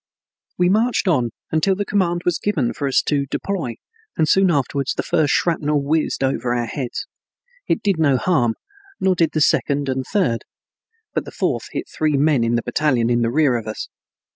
We marched on until the command was given for us to deploy, and soon afterwards the first shrapnel whizzed over our heads. It did no harm, nor did the second and third, but the fourth hit three men in the battalion in the rear of us.